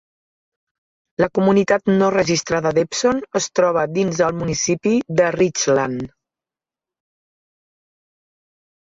La comunitat no registrada d'Epsom es troba dins el municipi de Richland.